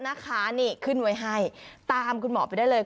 นะคะนี่ขึ้นไว้ให้ตามคุณหมอไปได้เลย